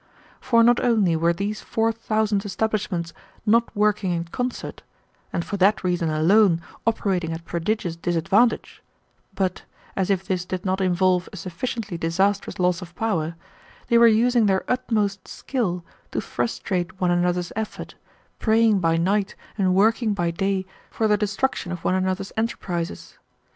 For not only were these four thousand establishments not working in concert, and for that reason alone operating at prodigious disadvantage, but, as if this did not involve a sufficiently disastrous loss of power, they were using their utmost skill to frustrate one another's effort, praying by night and working by day for the destruction of one another's enterprises.